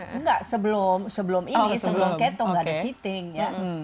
tidak sebelum ini sebelum keto tidak ada cheating ya